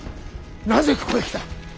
なぜここへ来た。